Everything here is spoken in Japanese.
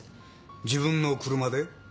自分の車で？